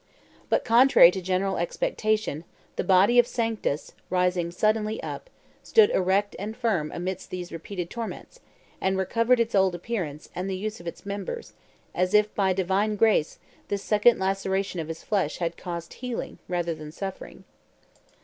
But, contrary to general expectation, the body of Sanctus, rising suddenly up, stood erect and firm amidst these repeated torments, and recovered its old appearance and the use of its members, as if, by Divine grace, this second laceration of his flesh had caused healing rather than suffering.